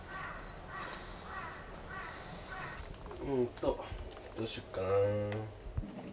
うーんとどうしようかな。